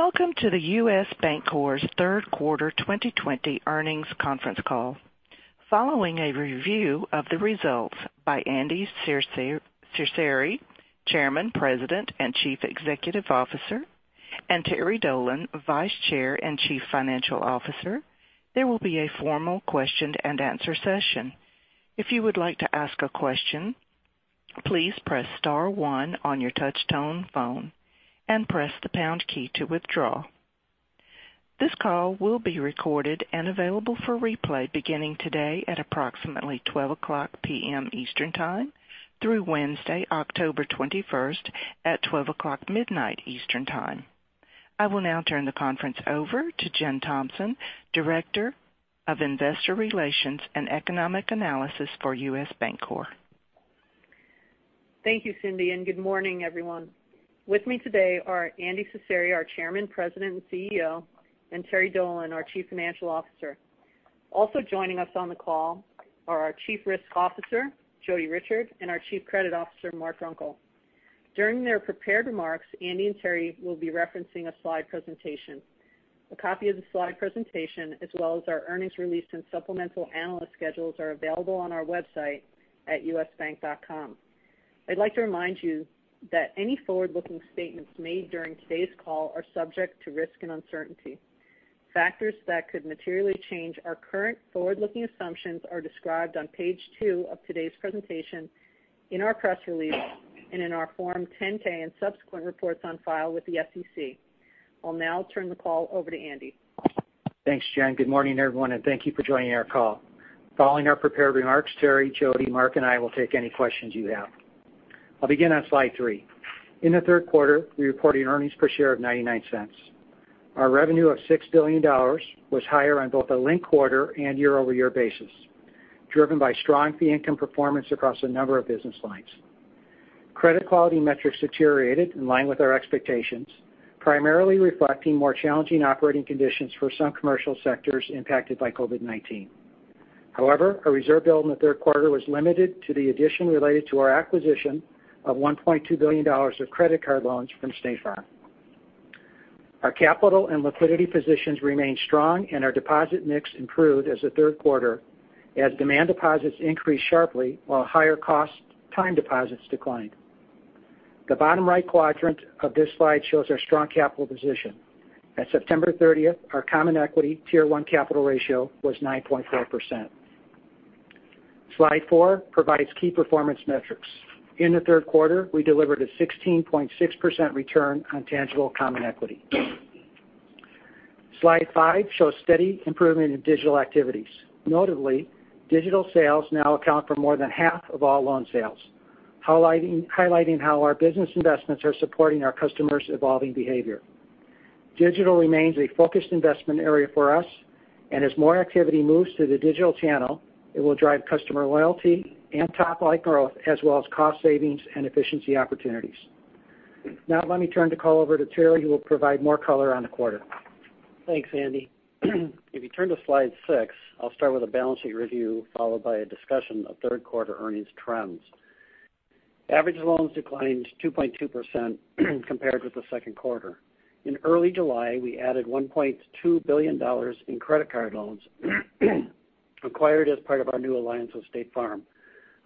Welcome to the U.S. Bancorp's Third Quarter 2020 Earnings Conference Call. Following a review of the results by Andy Cecere, Chairman, President, and Chief Executive Officer, and Terry Dolan, Vice Chair and Chief Financial Officer, there will be a formal question-and-answer session. If you would like to ask a question, please press star one on your touch-tone phone and press the pound key to withdraw. This call will be recorded and available for replay beginning today at approximately 12:00 P.M. Eastern Time through Wednesday, October 21st at 12:00 midnight Eastern Time. I will now turn the conference over to Jen Thompson, Director of Investor Relations and Economic Analysis for U.S. Bancorp. Thank you, Cindy, and good morning, everyone. With me today are Andy Cecere, our Chairman, President, and CEO, and Terry Dolan, our Chief Financial Officer. Also joining us on the call are our Chief Risk Officer, Jodi Richard, and our Chief Credit Officer, Mark Runkel. During their prepared remarks, Andy and Terry will be referencing a slide presentation. A copy of the slide presentation, as well as our earnings release and supplemental analyst schedules, are available on our website at usbank.com. I'd like to remind you that any forward-looking statements made during today's call are subject to risk and uncertainty. Factors that could materially change our current forward-looking assumptions are described on page two of today's presentation, in our press release, and in our Form 10-K and subsequent reports on file with the SEC. I'll now turn the call over to Andy. Thanks, Jen. Good morning, everyone, and thank you for joining our call. Following our prepared remarks, Terry, Jodi, Mark, and I will take any questions you have. I'll begin on slide three. In the third quarter, we reported earnings per share of $0.99. Our revenue of $6 billion was higher on both a linked quarter and year-over-year basis, driven by strong fee income performance across a number of business lines. Credit quality metrics deteriorated in line with our expectations, primarily reflecting more challenging operating conditions for some commercial sectors impacted by COVID-19. However, our reserve build in the third quarter was limited to the addition related to our acquisition of $1.2 billion of credit card loans from State Farm. Our capital and liquidity positions remain strong, and our deposit mix improved as the third quarter, as demand deposits increased sharply while higher cost time deposits declined. The bottom right quadrant of this slide shows our strong capital position. At September 30th, our common equity tier 1 capital ratio was 9.4%. Slide four provides key performance metrics. In the third quarter, we delivered a 16.6% return on tangible common equity. Slide five shows steady improvement in digital activities. Notably, digital sales now account for more than half of all loan sales, highlighting how our business investments are supporting our customers' evolving behavior. Digital remains a focused investment area for us. As more activity moves to the digital channel, it will drive customer loyalty and top-line growth, as well as cost savings and efficiency opportunities. Now let me turn the call over to Terry, who will provide more color on the quarter. Thanks, Andy. If you turn to slide six, I'll start with a balance sheet review, followed by a discussion of third quarter earnings trends. Average loans declined 2.2% compared with the second quarter. In early July, we added $1.2 billion in credit card loans acquired as part of our new alliance with State Farm.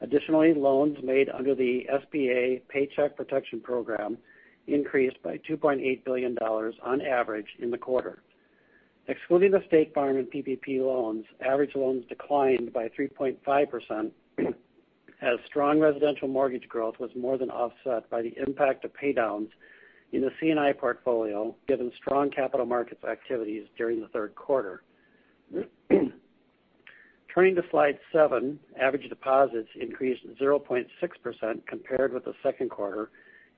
Additionally, loans made under the SBA Paycheck Protection Program increased by $2.8 billion on average in the quarter. Excluding the State Farm and PPP loans, average loans declined by 3.5% as strong residential mortgage growth was more than offset by the impact of paydowns in the C&I portfolio, given strong capital markets activities during the third quarter. Turning to slide seven, average deposits increased 0.6% compared with the second quarter,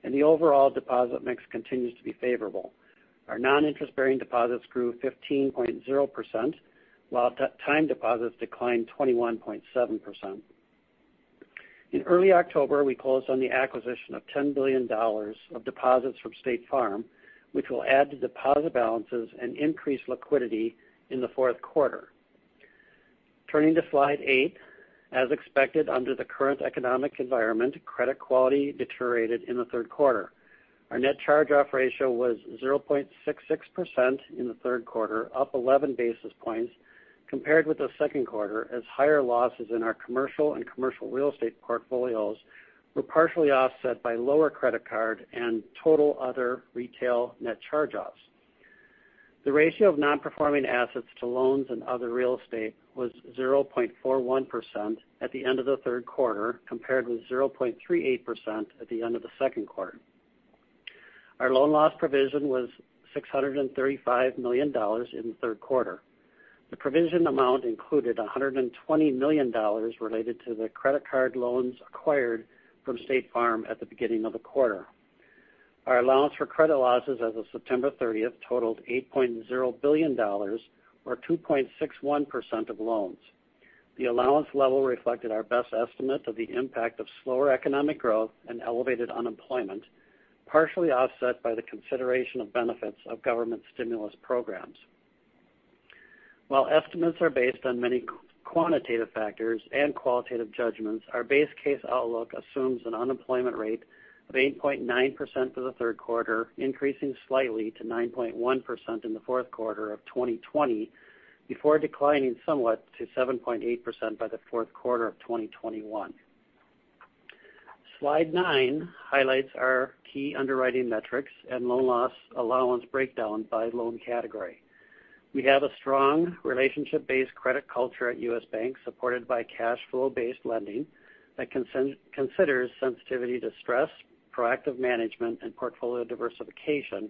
and the overall deposit mix continues to be favorable. Our non-interest-bearing deposits grew 15.0%, while time deposits declined 21.7%. In early October, we closed on the acquisition of $10 billion of deposits from State Farm, which will add to deposit balances and increase liquidity in the fourth quarter. Turning to slide eight, as expected under the current economic environment, credit quality deteriorated in the third quarter. Our net charge-off ratio was 0.66% in the third quarter, up 11 basis points compared with the second quarter as higher losses in our commercial and commercial real estate portfolios were partially offset by lower credit card and total other retail net charge-offs. The ratio of non-performing assets to loans and other real estate was 0.41% at the end of the third quarter, compared with 0.38% at the end of the second quarter. Our loan loss provision was $635 million in the third quarter. The provision amount included $120 million related to the credit card loans acquired from State Farm at the beginning of the quarter. Our allowance for credit losses as of September 30th totaled $8.0 billion, or 2.61% of loans. The allowance level reflected our best estimate of the impact of slower economic growth and elevated unemployment, partially offset by the consideration of benefits of government stimulus programs. While estimates are based on many quantitative factors and qualitative judgments, our base case outlook assumes an unemployment rate of 8.9% for the third quarter, increasing slightly to 9.1% in the fourth quarter of 2020, before declining somewhat to 7.8% by the fourth quarter of 2021. Slide nine highlights our key underwriting metrics and loan loss allowance breakdown by loan category. We have a strong relationship-based credit culture at U.S. Bank, supported by cash flow-based lending that considers sensitivity to stress, proactive management, and portfolio diversification,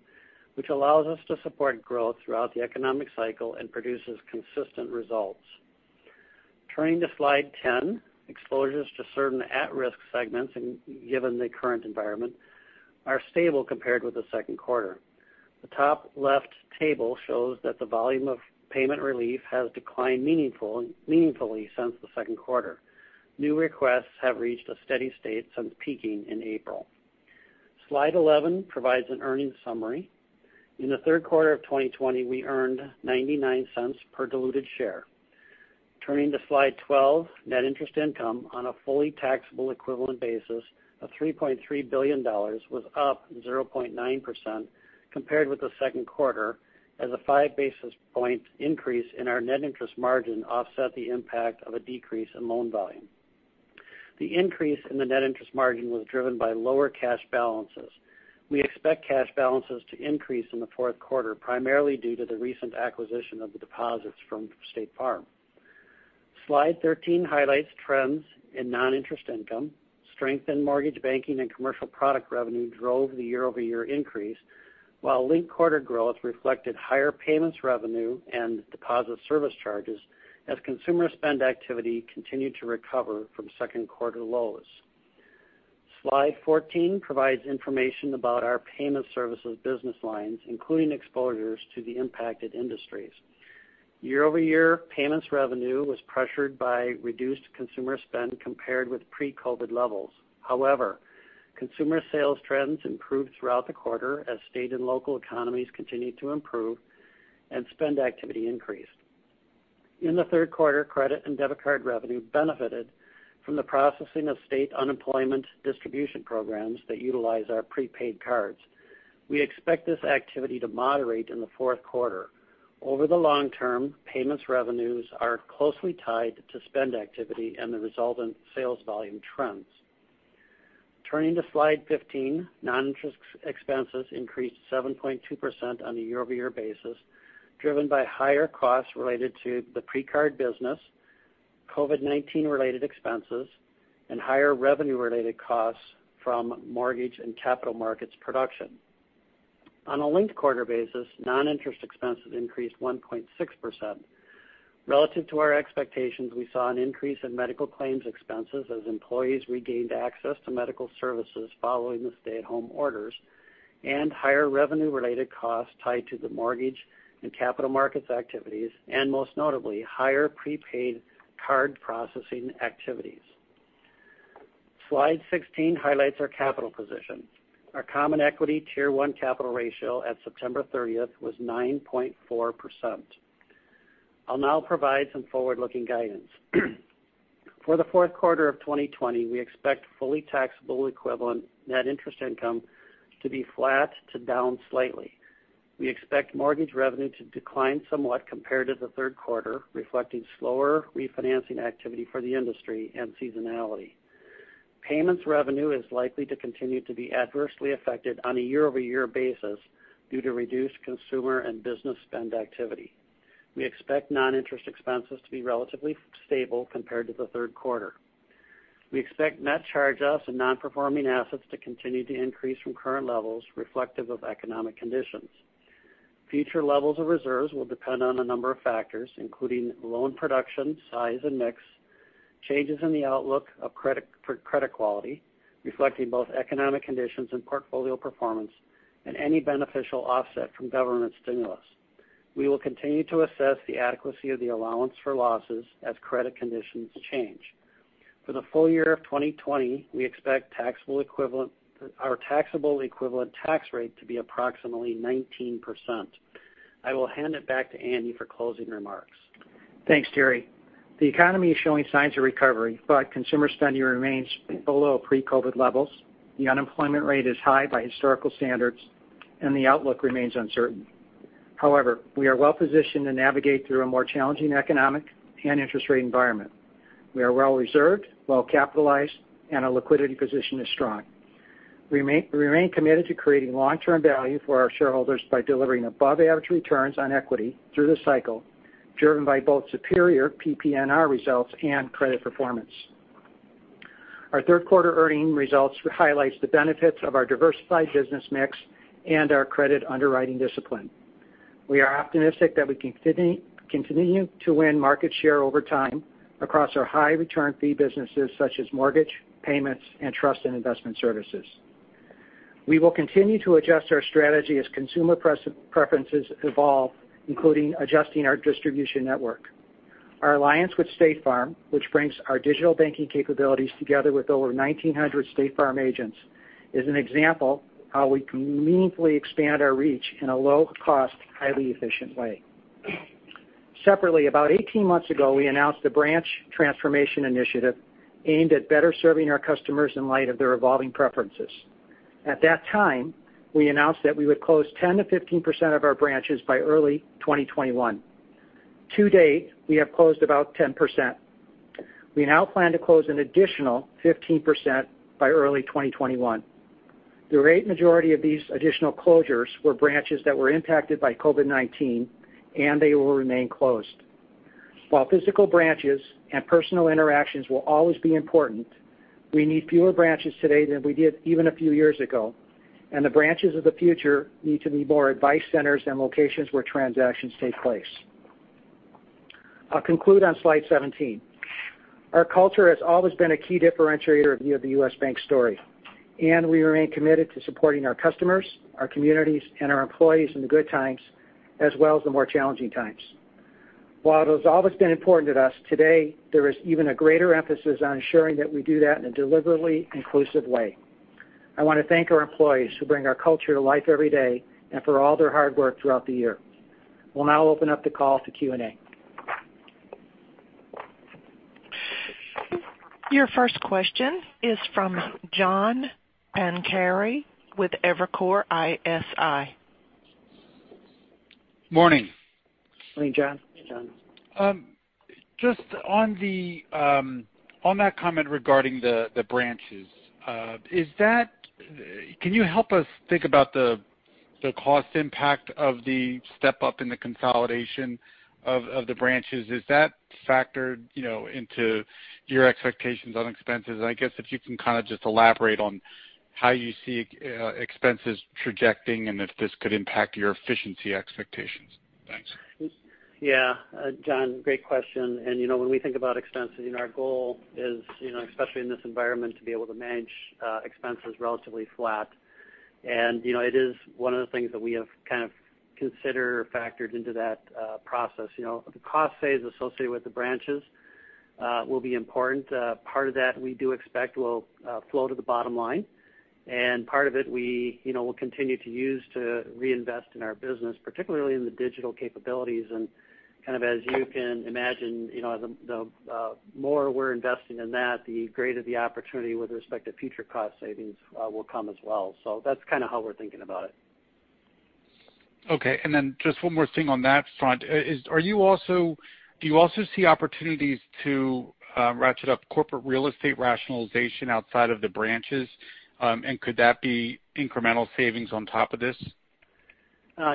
which allows us to support growth throughout the economic cycle and produces consistent results. Turning to slide 10, exposures to certain at-risk segments, given the current environment, are stable compared with the second quarter. The top left table shows that the volume of payment relief has declined meaningfully since the second quarter. New requests have reached a steady state since peaking in April. Slide 11 provides an earnings summary. In the third quarter of 2020, we earned $0.99 per diluted share. Turning to slide 12, net interest income on a fully taxable equivalent basis of $3.3 billion was up 0.9% compared with the second quarter, as a five-basis-point increase in our net interest margin offset the impact of a decrease in loan volume. The increase in the net interest margin was driven by lower cash balances. We expect cash balances to increase in the fourth quarter, primarily due to the recent acquisition of the deposits from State Farm. Slide 13 highlights trends in non-interest income. Strengthened mortgage banking and commercial product revenue drove the year-over-year increase, while linked-quarter growth reflected higher payments revenue and deposit service charges, as consumer spend activity continued to recover from second-quarter lows. Slide 14 provides information about our payment services business lines, including exposures to the impacted industries. Year-over-year, payments revenue was pressured by reduced consumer spend compared with pre-COVID levels. However, consumer sales trends improved throughout the quarter as state and local economies continued to improve and spend activity increased. In the third quarter, credit and debit card revenue benefited from the processing of state unemployment distribution programs that utilize our prepaid cards. We expect this activity to moderate in the fourth quarter. Over the long term, payments revenues are closely tied to spend activity and the resultant sales volume trends. Turning to slide 15, non-interest expenses increased 7.2% on a year-over-year basis, driven by higher costs related to the pre-card business, COVID-19 related expenses, and higher revenue-related costs from mortgage and capital markets production. On a linked-quarter basis, non-interest expenses increased 1.6%. Relative to our expectations, we saw an increase in medical claims expenses as employees regained access to medical services following the stay-at-home orders, and higher revenue-related costs tied to the mortgage and capital markets activities and, most notably, higher prepaid card processing activities. Slide 16 highlights our capital position. Our common equity Tier 1 capital ratio at September 30th was 9.4%. I'll now provide some forward-looking guidance. For the fourth quarter of 2020, we expect fully taxable equivalent net interest income to be flat to down slightly. We expect mortgage revenue to decline somewhat compared to the third quarter, reflecting slower refinancing activity for the industry and seasonality. Payments revenue is likely to continue to be adversely affected on a year-over-year basis due to reduced consumer and business spend activity. We expect non-interest expenses to be relatively stable compared to the third quarter. We expect net charge-offs and non-performing assets to continue to increase from current levels reflective of economic conditions. Future levels of reserves will depend on a number of factors, including loan production, size, and mix, changes in the outlook of credit quality, reflecting both economic conditions and portfolio performance, and any beneficial offset from government stimulus. We will continue to assess the adequacy of the allowance for losses as credit conditions change. For the full year of 2020, we expect our taxable equivalent tax rate to be approximately 19%. I will hand it back to Andy for closing remarks. Thanks, Terry. The economy is showing signs of recovery, but consumer spending remains below pre-COVID levels. The unemployment rate is high by historical standards, and the outlook remains uncertain. We are well-positioned to navigate through a more challenging economic and interest rate environment. We are well-reserved, well-capitalized, and our liquidity position is strong. We remain committed to creating long-term value for our shareholders by delivering above-average returns on equity through the cycle, driven by both superior PPNR results and credit performance. Our third-quarter earnings results highlights the benefits of our diversified business mix and our credit underwriting discipline. We are optimistic that we can continue to win market share over time across our high-return fee businesses such as mortgage, payments, and trust and investment services. We will continue to adjust our strategy as consumer preferences evolve, including adjusting our distribution network. Our alliance with State Farm, which brings our digital banking capabilities together with over 1,900 State Farm agents, is an example how we can meaningfully expand our reach in a low-cost, highly efficient way. Separately, about 18 months ago, we announced a branch transformation initiative aimed at better serving our customers in light of their evolving preferences. At that time, we announced that we would close 10% to 15% of our branches by early 2021. To date, we have closed about 10%. We now plan to close an additional 15% by early 2021. The great majority of these additional closures were branches that were impacted by COVID-19, and they will remain closed. While physical branches and personal interactions will always be important, we need fewer branches today than we did even a few years ago, and the branches of the future need to be more advice centers than locations where transactions take place. I'll conclude on slide 17. Our culture has always been a key differentiator of the U.S. Bank story, and we remain committed to supporting our customers, our communities, and our employees in the good times as well as the more challenging times. While it has always been important to us, today, there is even a greater emphasis on ensuring that we do that in a deliberately inclusive way. I want to thank our employees who bring our culture to life every day and for all their hard work throughout the year. We'll now open up the call to Q&A. Your first question is from John Pancari with Evercore ISI. Morning. Morning, John. Just on that comment regarding the branches, can you help us think about the cost impact of the step-up in the consolidation of the branches? Is that factored into your expectations on expenses? I guess if you can kind of just elaborate on how you see expenses trajecting and if this could impact your efficiency expectations. Thanks. Yeah. John, great question. When we think about expenses, our goal is, especially in this environment, to be able to manage expenses relatively flat. It is one of the things that we have kind of considered or factored into that process. The cost savings associated with the branches will be important. Part of that we do expect will flow to the bottom line, and part of it we will continue to use to reinvest in our business, particularly in the digital capabilities. Kind of as you can imagine, the more we're investing in that, the greater the opportunity with respect to future cost savings will come as well. That's kind of how we're thinking about it. Okay. Just one more thing on that front. Do you also see opportunities to ratchet up corporate real estate rationalization outside of the branches? Could that be incremental savings on top of this?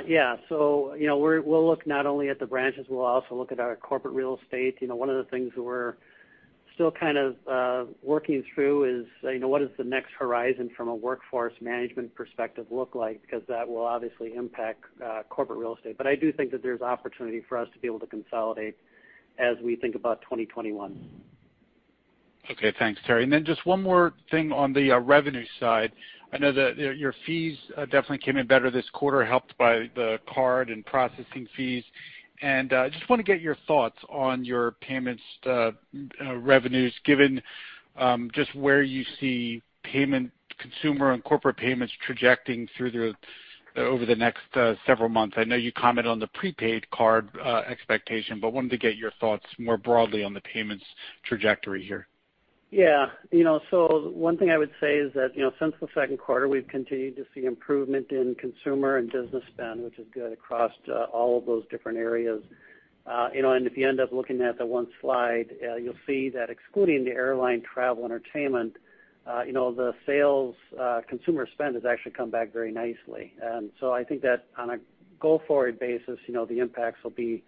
Yeah. We'll look not only at the branches, we'll also look at our corporate real estate. One of the things that we're still kind of working through is what does the next horizon from a workforce management perspective look like, because that will obviously impact corporate real estate. I do think that there's opportunity for us to be able to consolidate as we think about 2021. Okay, thanks, Terry. Then just one more thing on the revenue side. I know that your fees definitely came in better this quarter, helped by the card and processing fees. Just want to get your thoughts on your payments revenues, given just where you see consumer and corporate payments trajecting over the next several months. I know you commented on the prepaid card expectation, wanted to get your thoughts more broadly on the payments trajectory here. One thing I would say is that since the second quarter, we've continued to see improvement in consumer and business spend, which is good across all of those different areas. If you end up looking at the one slide, you'll see that excluding the airline travel entertainment, the sales consumer spend has actually come back very nicely. I think that on a go-forward basis, the impacts will be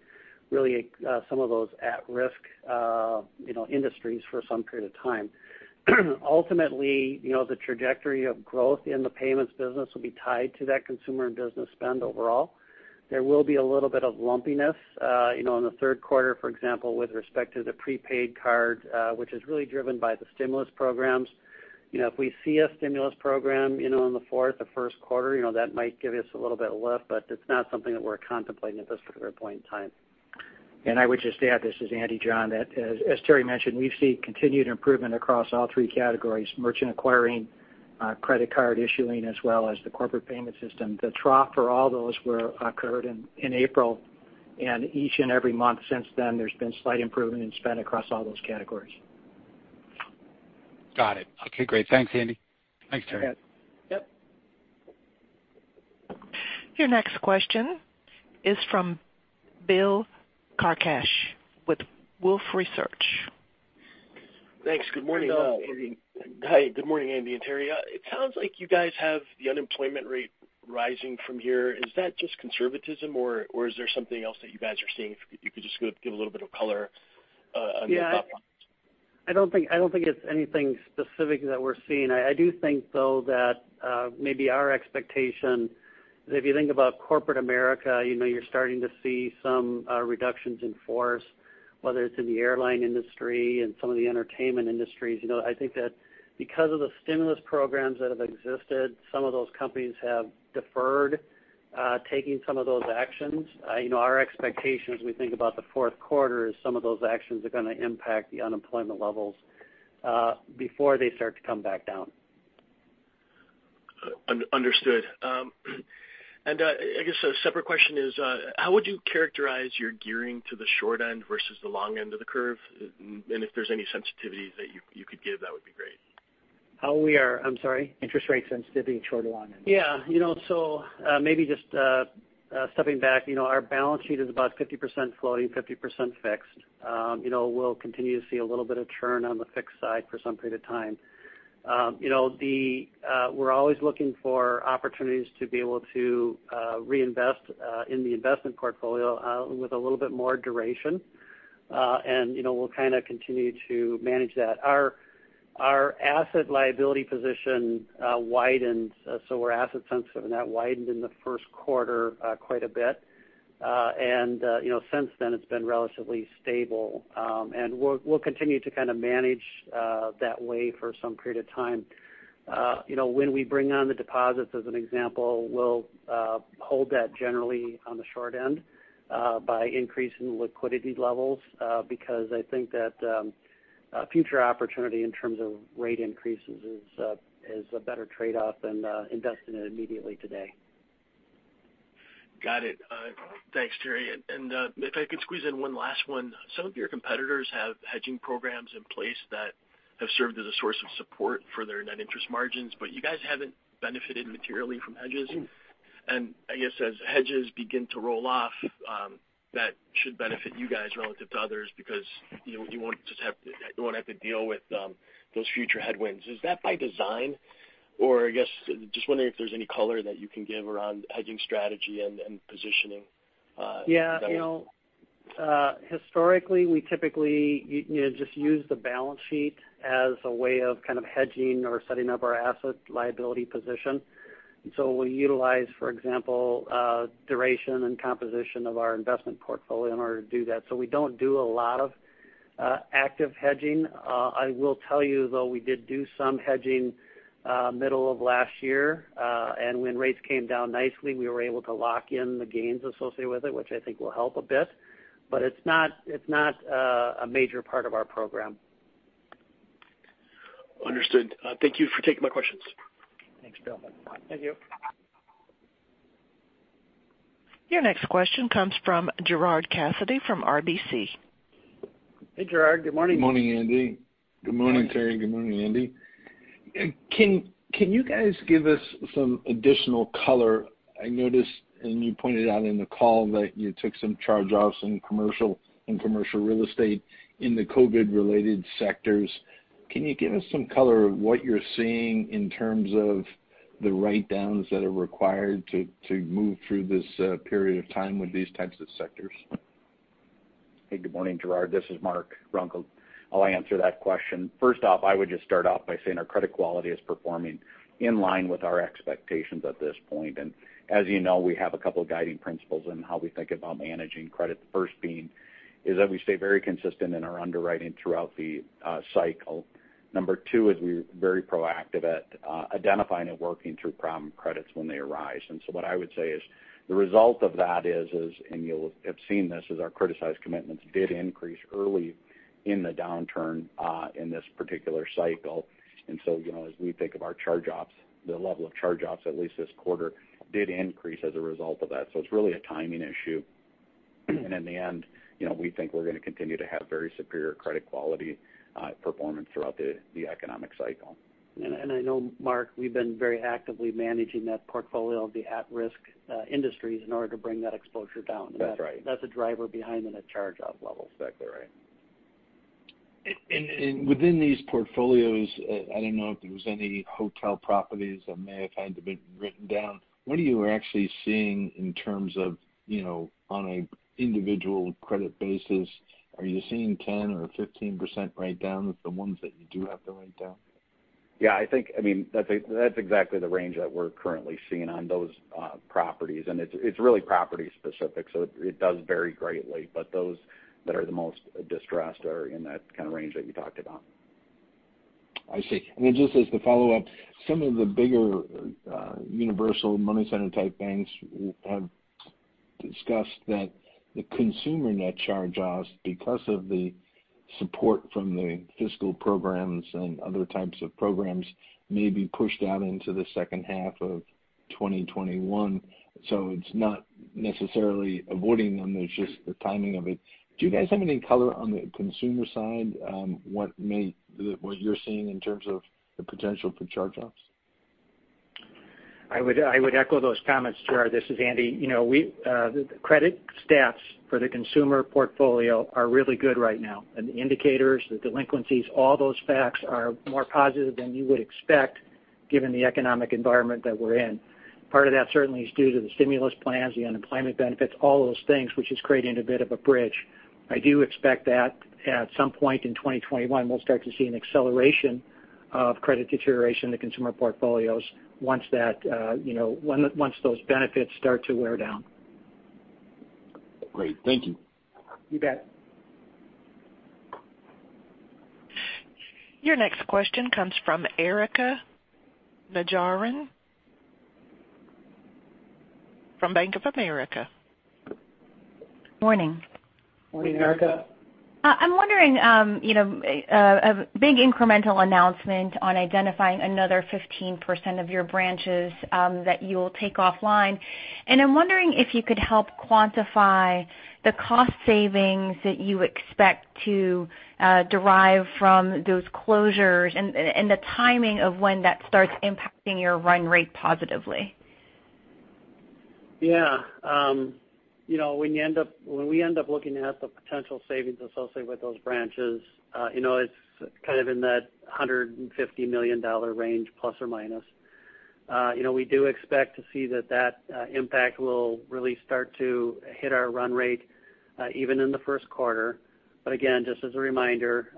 really some of those at-risk industries for some period of time. Ultimately, the trajectory of growth in the payments business will be tied to that consumer and business spend overall. There will be a little bit of lumpiness in the third quarter, for example, with respect to the prepaid card, which is really driven by the stimulus programs. If we see a stimulus program in the fourth or first quarter, that might give us a little bit of lift, but it's not something that we're contemplating at this particular point in time. I would just add, this is Andy, John, that as Terry mentioned, we see continued improvement across all three categories, merchant acquiring, credit card issuing, as well as the corporate payment system. The trough for all those occurred in April, and each and every month since then, there's been slight improvement in spend across all those categories. Got it. Okay, great. Thanks, Andy. Thanks, Terry. You bet. Yep. Your next question is from Bill Carcache with Wolfe Research. Thanks. Good morning. Hello. Hi. Good morning, Andy and Terry. It sounds like you guys have the unemployment rate rising from here. Is that just conservatism, or is there something else that you guys are seeing? If you could just give a little bit of color on your thought process. I don't think it's anything specific that we're seeing. I do think, though, that maybe our expectation is if you think about corporate America, you're starting to see some reductions in force, whether it's in the airline industry and some of the entertainment industries. I think that because of the stimulus programs that have existed, some of those companies have deferred, taking some of those actions. Our expectation as we think about the fourth quarter is some of those actions are going to impact the unemployment levels before they start to come back down. Understood. I guess a separate question is, how would you characterize your gearing to the short end versus the long end of the curve? If there's any sensitivities that you could give, that would be great. How we are, I'm sorry? Interest rate sensitivity, short or long end. Maybe just stepping back, our balance sheet is about 50% floating, 50% fixed. We'll continue to see a little bit of churn on the fixed side for some period of time. We're always looking for opportunities to be able to reinvest in the investment portfolio with a little bit more duration. We'll kind of continue to manage that. Our asset liability position widened, so we're asset sensitive, and that widened in the first quarter quite a bit. Since then it's been relatively stable. We'll continue to kind of manage that way for some period of time. When we bring on the deposits, as an example, we'll hold that generally on the short end by increasing liquidity levels because I think that future opportunity in terms of rate increases is a better trade-off than investing it immediately today. Got it. Thanks, Terry. If I could squeeze in one last one. Some of your competitors have hedging programs in place that have served as a source of support for their net interest margins, but you guys haven't benefited materially from hedges. I guess as hedges begin to roll off, that should benefit you guys relative to others because you won't have to deal with those future headwinds. Is that by design? I guess, just wondering if there's any color that you can give around hedging strategy and positioning going forward. Yeah. Historically, we typically just use the balance sheet as a way of kind of hedging or setting up our asset liability position. We utilize, for example, duration and composition of our investment portfolio in order to do that. We don't do a lot of active hedging. I will tell you though, we did do some hedging middle of last year. When rates came down nicely, we were able to lock in the gains associated with it, which I think will help a bit. It's not a major part of our program. Understood. Thank you for taking my questions. Thanks, Bill. Thank you. Your next question comes from Gerard Cassidy from RBC. Hey, Gerard. Good morning. Good morning, Andy. Good morning, Terry. Good morning, Andy. Can you guys give us some additional color? I noticed, and you pointed out in the call that you took some charge-offs in commercial real estate in the COVID-19-related sectors. Can you give us some color of what you're seeing in terms of the write-downs that are required to move through this period of time with these types of sectors? Hey, good morning, Gerard. This is Mark Runkel. I'll answer that question. First off, I would just start off by saying our credit quality is performing in line with our expectations at this point. As you know, we have a couple of guiding principles in how we think about managing credit. The first being is that we stay very consistent in our underwriting throughout the cycle. Number two is we're very proactive at identifying and working through problem credits when they arise. What I would say is the result of that is, and you'll have seen this, is our criticized commitments did increase early in the downturn in this particular cycle. As we think of our charge-offs, the level of charge-offs, at least this quarter, did increase as a result of that. It's really a timing issue. In the end, we think we're going to continue to have very superior credit quality performance throughout the economic cycle. I know, Mark, we've been very actively managing that portfolio of the at-risk industries in order to bring that exposure down. That's right. That's a driver behind the net charge-off levels. Exactly right. Within these portfolios, I don't know if there was any hotel properties that may have had to been written down. What are you actually seeing in terms of on an individual credit basis? Are you seeing 10% or 15% write-downs with the ones that you do have to write down? I think that's exactly the range that we're currently seeing on those properties, and it's really property specific, so it does vary greatly. Those that are the most distressed are in that kind of range that you talked about. I see. Then just as the follow-up, some of the bigger universal money center type banks have discussed that the consumer net charge-offs, because of the support from the fiscal programs and other types of programs, may be pushed out into the second half of 2021. It's not necessarily avoiding them, it's just the timing of it. Do you guys have any color on the consumer side? What you're seeing in terms of the potential for charge-offs? I would echo those comments, Gerard. This is Andy. The credit stats for the consumer portfolio are really good right now. The indicators, the delinquencies, all those facts are more positive than you would expect given the economic environment that we're in. Part of that certainly is due to the stimulus plans, the unemployment benefits, all those things, which is creating a bit of a bridge. I do expect that at some point in 2021, we'll start to see an acceleration of credit deterioration in the consumer portfolios once those benefits start to wear down. Great. Thank you. You bet. Your next question comes from Erika Najarian from Bank of America. Morning. Morning, Erika. I'm wondering, a big incremental announcement on identifying another 15% of your branches that you'll take offline. I'm wondering if you could help quantify the cost savings that you expect to derive from those closures and the timing of when that starts impacting your run rate positively. When we end up looking at the potential savings associated with those branches, it's kind of in that $150 million range, ±. We do expect to see that impact will really start to hit our run rate even in the first quarter. Again, just as a reminder,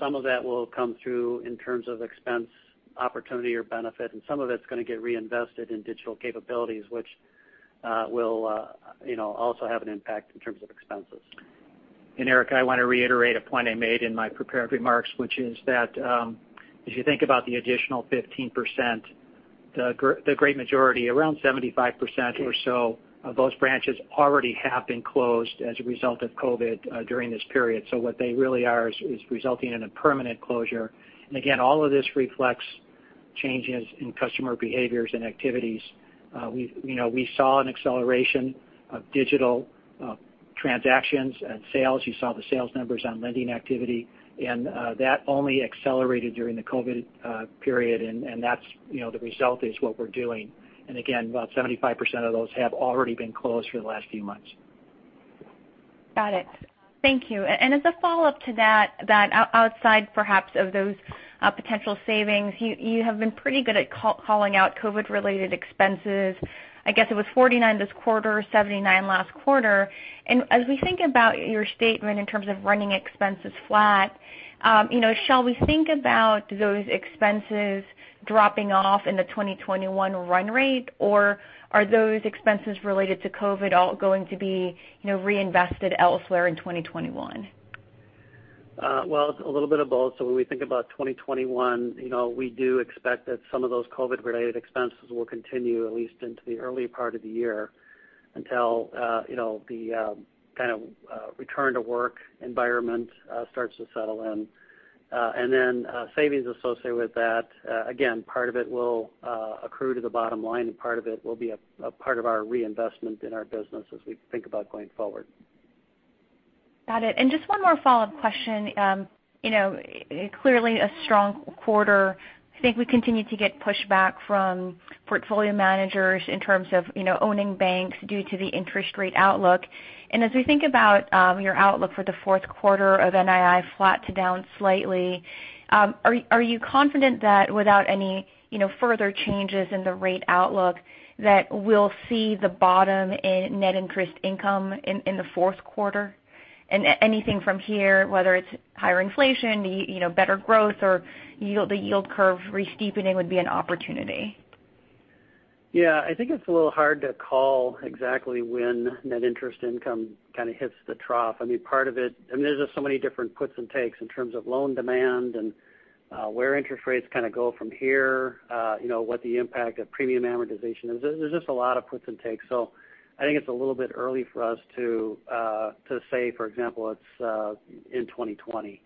some of that will come through in terms of expense opportunity or benefit, and some of it's going to get reinvested in digital capabilities, which will also have an impact in terms of expenses. Erika, I want to reiterate a point I made in my prepared remarks, which is that as you think about the additional 15%, the great majority, around 75% or so of those branches already have been closed as a result of COVID during this period. What they really are is resulting in a permanent closure. Again, all of this reflects changes in customer behaviors and activities. We saw an acceleration of digital transactions and sales. You saw the sales numbers on lending activity, and that only accelerated during the COVID period. The result is what we're doing. Again, about 75% of those have already been closed for the last few months. Got it. Thank you. As a follow-up to that, outside perhaps of those potential savings, you have been pretty good at calling out COVID-related expenses. I guess it was 49 this quarter, 79 last quarter. As we think about your statement in terms of running expenses flat, shall we think about those expenses dropping off in the 2021 run rate, or are those expenses related to COVID all going to be reinvested elsewhere in 2021? Well, it's a little bit of both. When we think about 2021, we do expect that some of those COVID-related expenses will continue at least into the early part of the year until the kind of return to work environment starts to settle in. Savings associated with that, again, part of it will accrue to the bottom line, and part of it will be a part of our reinvestment in our business as we think about going forward. Got it. Just one more follow-up question. Clearly a strong quarter. I think we continue to get pushback from portfolio managers in terms of owning banks due to the interest rate outlook. As we think about your outlook for the fourth quarter of NII flat to down slightly, are you confident that without any further changes in the rate outlook that we'll see the bottom in net interest income in the fourth quarter? Anything from here, whether it's higher inflation, better growth or the yield curve resteepening would be an opportunity. Yeah, I think it's a little hard to call exactly when net interest income kind of hits the trough. There's just so many different puts and takes in terms of loan demand and where interest rates kind of go from here, what the impact of premium amortization is. There's just a lot of puts and takes. I think it's a little bit early for us to say, for example, it's in 2020.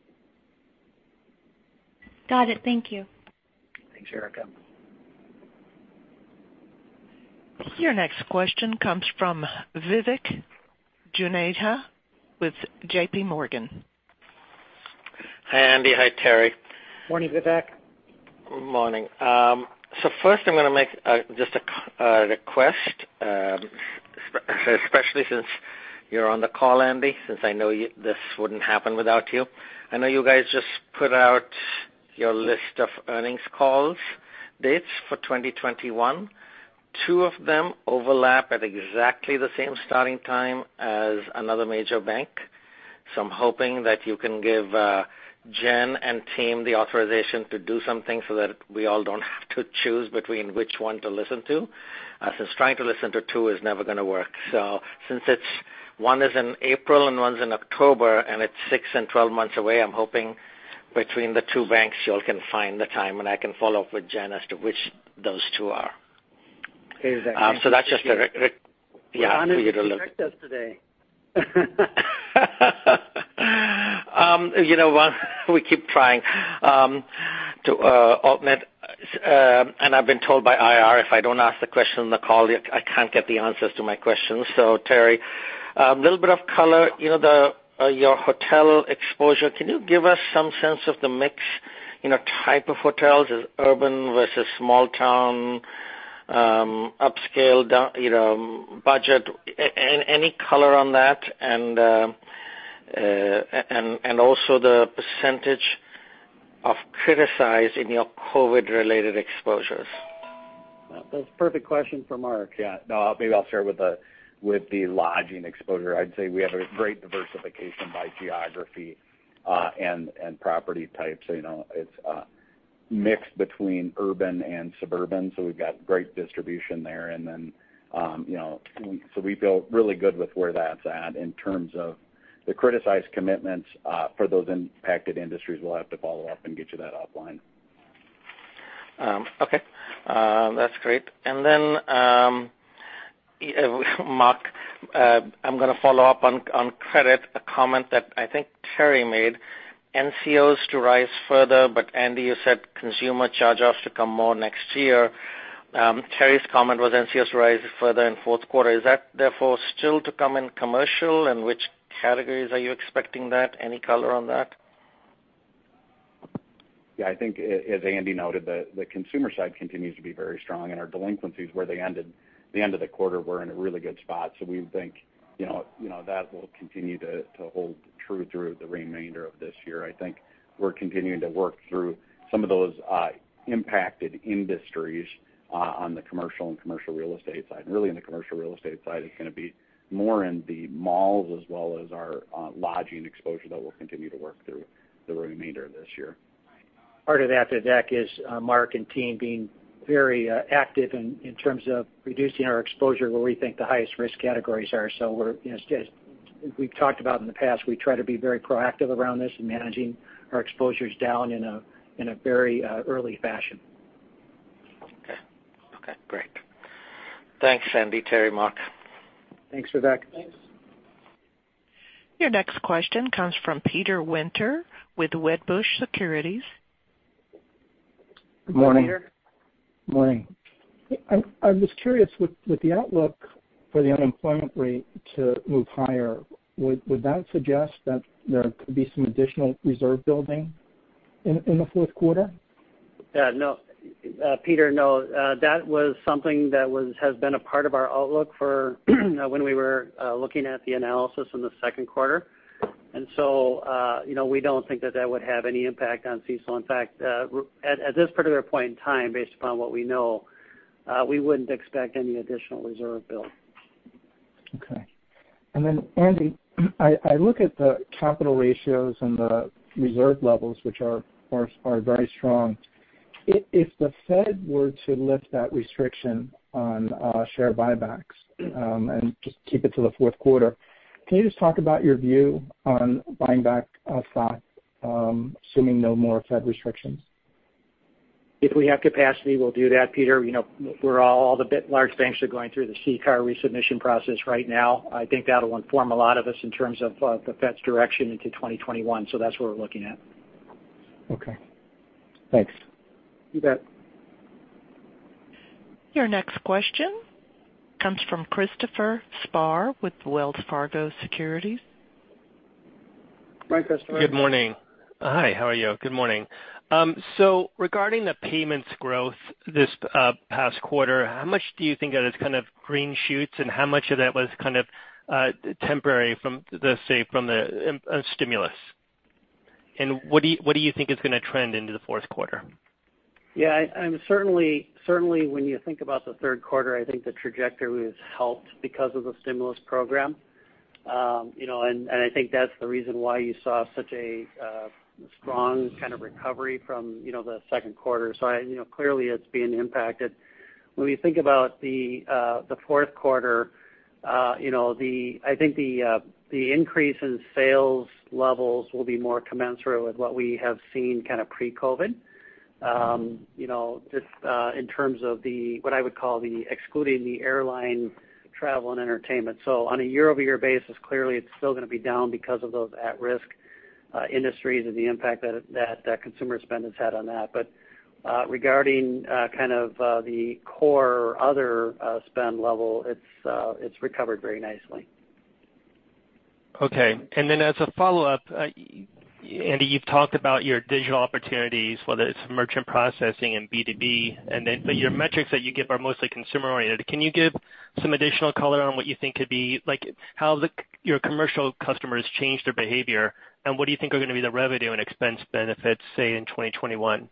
Got it. Thank you. Thanks, Erika. Your next question comes from Vivek Juneja with J.P. Morgan. Hi, Andy. Hi, Terry. Morning, Vivek. Morning. First I'm going to make just a request, especially since you're on the call, Andy, since I know this wouldn't happen without you. I know you guys just put out your list of earnings calls dates for 2021. Two of them overlap at exactly the same starting time as another major bank. I'm hoping that you can give Jen and team the authorization to do something so that we all don't have to choose between which one to listen to. Since trying to listen to two is never going to work. Since one is in April and one's in October and it's six and 12 months away, I'm hoping between the two banks you all can find the time, and I can follow up with Jen as to which those two are. Hey, Vivek. So that's just a re- You're honestly testing us today. We keep trying to augment. I've been told by IR if I don't ask the question on the call, I can't get the answers to my questions. Terry, a little bit of color. Your hotel exposure, can you give us some sense of the mix type of hotels? Is urban versus small town, upscale, budget? Any color on that? Also the percentage of criticized in your COVID-related exposures. That's a perfect question for Mark. Yeah. Maybe I'll start with the lodging exposure. I'd say we have a great diversification by geography and property types. Mix between urban and suburban. We've got great distribution there. We feel really good with where that's at in terms of the criticized commitments for those impacted industries. We'll have to follow up and get you that offline. Okay. That's great. Mark, I'm going to follow up on credit, a comment that I think Terry made. NCOs to rise further, but Andy, you said consumer charge-offs to come more next year. Terry's comment was NCOs to rise further in fourth quarter. Is that therefore still to come in commercial? In which categories are you expecting that? Any color on that? Yeah, I think as Andy noted, the consumer side continues to be very strong, and our delinquencies, where they ended the end of the quarter, we're in a really good spot. We think that will continue to hold true through the remainder of this year. I think we're continuing to work through some of those impacted industries on the commercial and commercial real estate side. Really in the commercial real estate side, it's going to be more in the malls as well as our lodging exposure that we'll continue to work through the remainder of this year. Part of that, Vivek, is Mark and team being very active in terms of reducing our exposure where we think the highest risk categories are. We've talked about in the past, we try to be very proactive around this and managing our exposures down in a very early fashion. Okay, great. Thanks, Andy, Terry, Mark. Thanks, Vivek. Thanks. Your next question comes from Peter Winter with Wedbush Securities. Morning Peter. Morning. I was curious with the outlook for the unemployment rate to move higher, would that suggest that there could be some additional reserve building in the fourth quarter? Peter, no. That was something that has been a part of our outlook for when we were looking at the analysis in the second quarter. We don't think that that would have any impact on CECL. In fact, at this particular point in time, based upon what we know, we wouldn't expect any additional reserve build. Okay. Andy, I look at the capital ratios and the reserve levels, which are very strong. If the Fed were to lift that restriction on share buybacks and just keep it to the fourth quarter, can you just talk about your view on buying back stock, assuming no more Fed restrictions? If we have capacity, we'll do that, Peter. All the large banks are going through the CCAR resubmission process right now. I think that'll inform a lot of us in terms of the Fed's direction into 2021. That's what we're looking at. Okay. Thanks. You bet. Your next question comes from Christopher Spahr with Wells Fargo Securities. Hi, Christopher. Good morning. Hi, how are you? Good morning. Regarding the payments growth this past quarter, how much do you think that is kind of green shoots, and how much of that was kind of temporary from the, say, from the stimulus? What do you think is going to trend into the fourth quarter? Certainly when you think about the third quarter, I think the trajectory was helped because of the stimulus program. I think that's the reason why you saw such a strong kind of recovery from the second quarter. Clearly it's being impacted. When we think about the fourth quarter, I think the increase in sales levels will be more commensurate with what we have seen kind of pre-COVID, just in terms of the, what I would call the excluding the airline travel and entertainment. On a year-over-year basis, clearly it's still going to be down because of those at-risk industries and the impact that consumer spend has had on that. Regarding kind of the core other spend level, it's recovered very nicely. Okay. As a follow-up, Andy, you've talked about your digital opportunities, whether it's merchant processing and B2B, but your metrics that you give are mostly consumer oriented. Can you give some additional color on what you think could be, like how your commercial customers change their behavior, and what do you think are going to be the revenue and expense benefits, say, in 2021?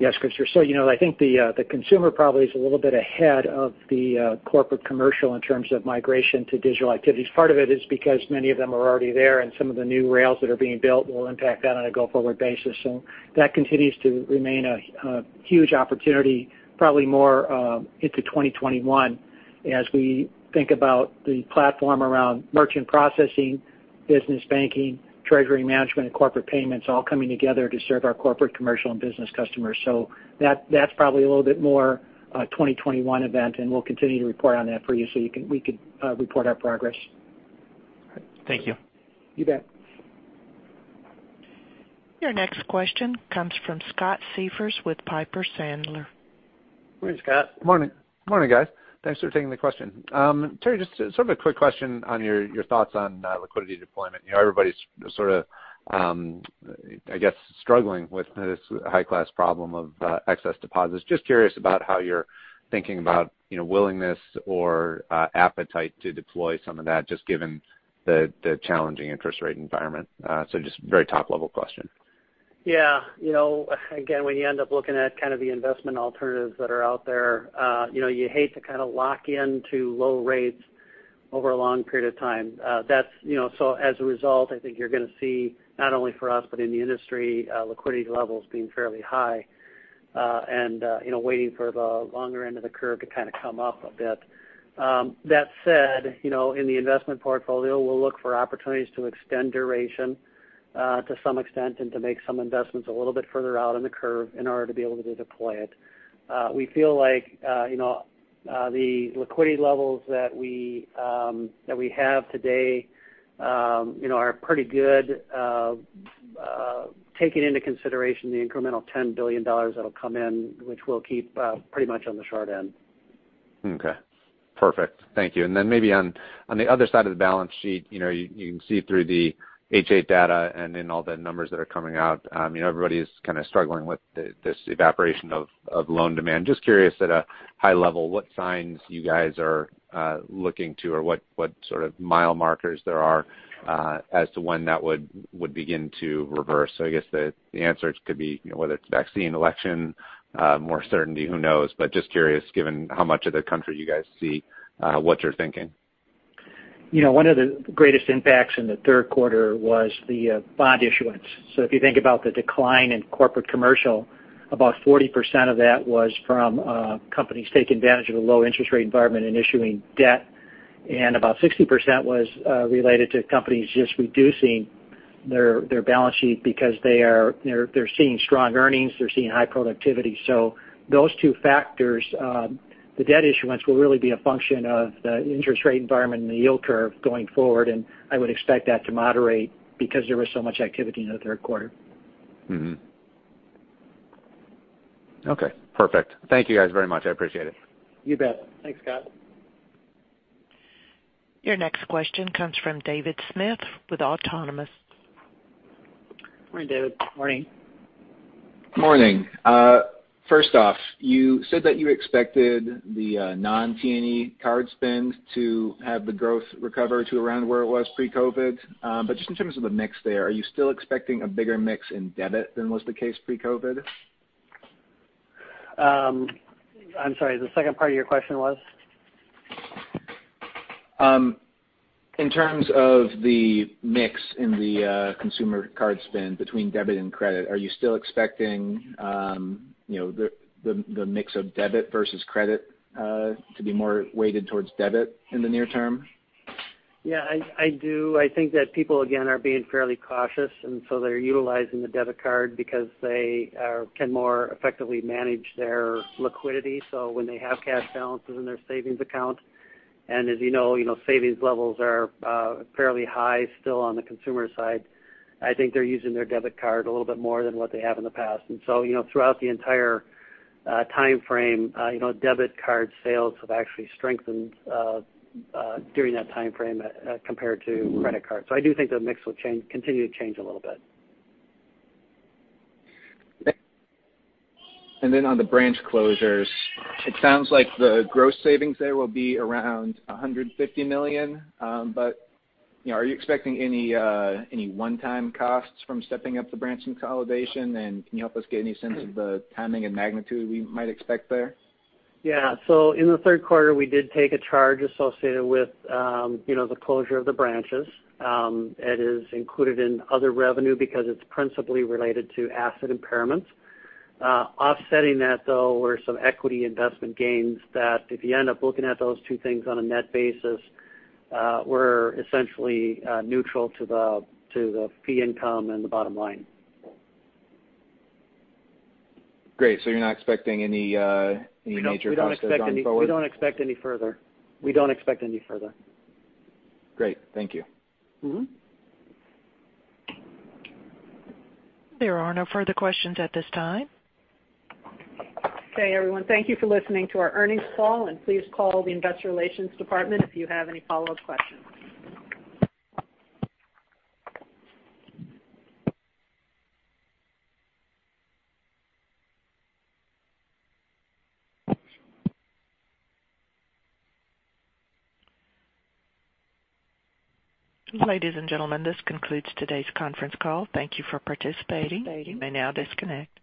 Yes, Christopher. I think the consumer probably is a little bit ahead of the corporate, commercial in terms of migration to digital activities. Part of it is because many of them are already there, and some of the new rails that are being built will impact that on a go-forward basis. That continues to remain a huge opportunity, probably more into 2021 as we think about the platform around merchant processing, business banking, treasury management, and corporate payments all coming together to serve our corporate, commercial, and business customers. That's probably a little bit more a 2021 event, and we'll continue to report on that for you so we could report our progress. All right. Thank you. You bet. Your next question comes from Scott Siefers with Piper Sandler. Morning, Scott. Morning. Morning, guys. Thanks for taking the question. Terry, just sort of a quick question on your thoughts on liquidity deployment. Everybody's sort of, I guess, struggling with this high-class problem of excess deposits. Just curious about how you're thinking about willingness or appetite to deploy some of that, just given the challenging interest rate environment. Just very top-level question. Yeah. Again, when you end up looking at kind of the investment alternatives that are out there, you hate to kind of lock into low rates over a long period of time. As a result, I think you're going to see not only for us, but in the industry, liquidity levels being fairly high, and waiting for the longer end of the curve to kind of come up a bit. That said, in the investment portfolio, we'll look for opportunities to extend duration, to some extent, and to make some investments a little bit further out in the curve in order to be able to deploy it. We feel like the liquidity levels that we have today are pretty good, taking into consideration the incremental $10 billion that'll come in, which we'll keep pretty much on the short end. Okay. Perfect. Thank you. Maybe on the other side of the balance sheet, you can see through the H.8 data and in all the numbers that are coming out, everybody is kind of struggling with this evaporation of loan demand. Just curious, at a high level, what signs you guys are looking to or what sort of mile markers there are as to when that would begin to reverse? I guess the answers could be whether it's vaccine, election, more certainty, who knows? Just curious, given how much of the country you guys see, what you're thinking. One of the greatest impacts in the third quarter was the bond issuance. If you think about the decline in C&I, about 40% of that was from companies taking advantage of the low interest rate environment and issuing debt. About 60% was related to companies just reducing their balance sheet because they're seeing strong earnings, they're seeing high productivity. Those two factors, the debt issuance will really be a function of the interest rate environment and the yield curve going forward, and I would expect that to moderate because there was so much activity in the third quarter. Okay, perfect. Thank you guys very much. I appreciate it. You bet. Thanks, Scott. Your next question comes from David Smith with Autonomous. Morning, David. Morning. Morning. First off, you said that you expected the non-T&E card spend to have the growth recover to around where it was pre-COVID-19. Just in terms of the mix there, are you still expecting a bigger mix in debit than was the case pre-COVID-19? I'm sorry, the second part of your question was? In terms of the mix in the consumer card spend between debit and credit, are you still expecting the mix of debit versus credit to be more weighted towards debit in the near term? Yeah, I do. I think that people, again, are being fairly cautious, and so they're utilizing the debit card because they can more effectively manage their liquidity. When they have cash balances in their savings account, and as you know, savings levels are fairly high still on the consumer side. I think they're using their debit card a little bit more than what they have in the past. Throughout the entire timeframe, debit card sales have actually strengthened during that timeframe compared to credit cards. I do think the mix will continue to change a little bit. On the branch closures, it sounds like the gross savings there will be around $150 million. Are you expecting any one-time costs from stepping up the branch consolidation? Can you help us get any sense of the timing and magnitude we might expect there? Yeah. In the third quarter, we did take a charge associated with the closure of the branches. It is included in other revenue because it's principally related to asset impairments. Offsetting that though, were some equity investment gains that if you end up looking at those two things on a net basis, were essentially neutral to the fee income and the bottom line. Great. You're not expecting any major costs there going forward? We don't expect any further. Great. Thank you. There are no further questions at this time. Okay, everyone. Thank you for listening to our earnings call, and please call the investor relations department if you have any follow-up questions. Ladies and gentlemen, this concludes today's conference call. Thank you for participating. You may now disconnect.